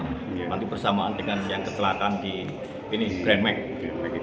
nanti bersamaan dengan yang keterlakan di grand mag